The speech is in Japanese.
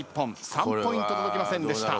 ３ポイント届きませんでした。